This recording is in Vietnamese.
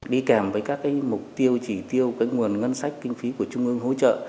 đi kèm với các mục tiêu chỉ tiêu nguồn ngân sách kinh phí của trung ương hỗ trợ